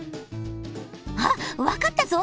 あっわかったぞ！